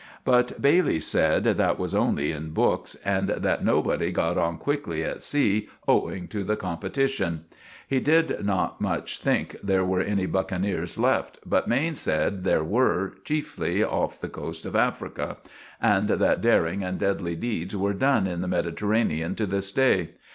But Bailey said that was only in books, and that nobody got on quickly at sea owing to the compettitishun. He did not much think there were any buckeneers left, but Maine said there were, cheefly off the coast of Africa, and that daring and dedly deeds were done in the Mediterranan to this day.